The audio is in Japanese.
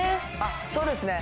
そうですね。